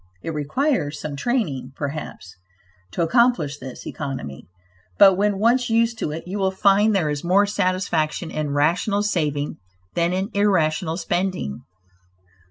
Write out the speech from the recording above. It requires some training, perhaps, to accomplish this economy, but when once used to it, you will find there is more satisfaction in rational saving than in irrational spending.